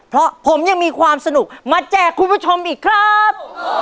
เพราะผมยังมีความสนุกมาแจกคุณผู้ชมอีกครับ